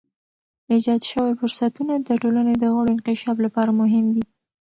ایجاد شوی فرصتونه د ټولنې د غړو انکشاف لپاره مهم دي.